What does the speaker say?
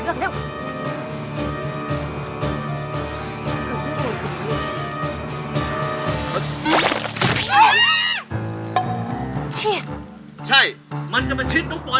ใช่มันจะมาชิดนกปลอยของพี่ต้มแบบนี้ไม่ได้